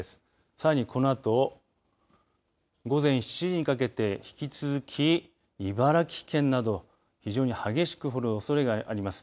さらにこのあと午前７時にかけて引き続き茨城県など非常に激しく降るおそれがあります。